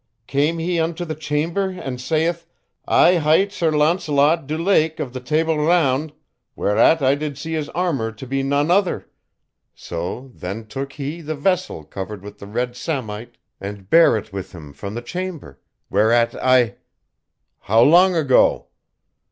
Came he unto the chamber and saith, I hight Sir Launcelot du Lake of the Table Round, whereat I did see his armor to be none other; so then took he the Vessel covered with the red samite and bare it with him from the chamber, whereat I " "How long ago?"